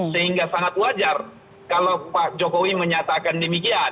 sehingga sangat wajar kalau pak jokowi menyatakan demikian